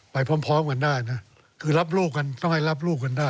ไปพร้อมกันได้นะคือรับลูกกันต้องให้รับลูกกันได้